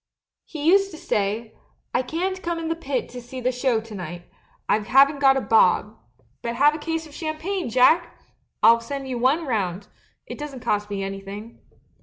He used to say, "I can't come in the pit to see the show to night — I haven't got a bob; but have a case of champagne. Jack ! I'll send you one round — it doesn't cost me anything."